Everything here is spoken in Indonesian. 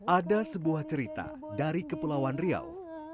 ada sebuah cerita dari kepulauan riau